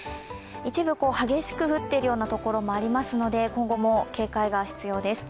一部激しく降っているような所もありますので今後も警戒が必要です。